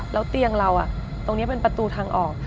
แล้วเตียงเราตรงนี้เป็นประตูทางออก